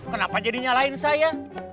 kenapa jadi nyalain saya